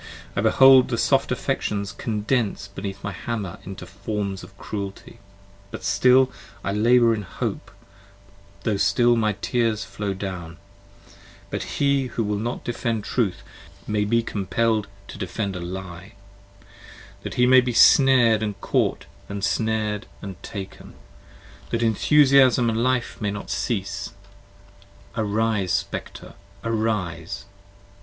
I behold the soft affections Condense beneath my hammer into forms of cruelty, But still I labour in hope, tho' still my tears flow down, That he who will not defend Truth, may be compell'd to defend 30 A Lie, that he may be snared and caught and snared and taken, That Enthusiasm and Life may not cease: arise Spectre arise!